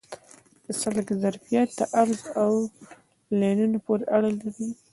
د سړک ظرفیت د عرض او لینونو پورې اړه لري